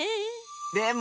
でも。